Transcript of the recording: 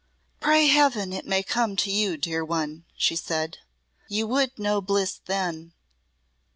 "Pray Heaven it may come to you, dear one," she said; "you would know bliss then."